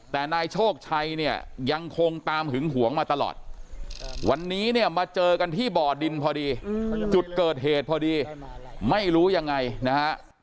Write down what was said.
แต่นายโชคชัยเนี่ยยังคงตามหึงหวงมาตลอดวันนี้เนี่ยมาเจอกันที่บ่อดินพอดีจุดเกิดเหตุพอดีไม่รู้ยังไงนะฮะ